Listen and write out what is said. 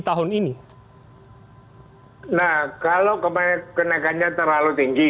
nah kalau kenaikannya terlalu tinggi